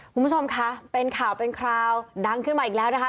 คุณผู้ชมคะเป็นข่าวเป็นคราวดังขึ้นมาอีกแล้วนะคะ